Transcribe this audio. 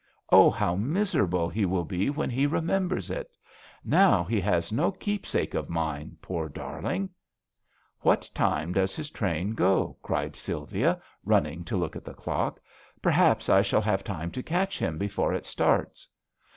Oh, how miserable he will be when he remembers it ! Now he has no keepsake of mine, poor darling !" '*\Vhat time does his train go ?" cried Sylvia, running to look at the clock. '^ Perhaps I shall have time to catch him before it starts."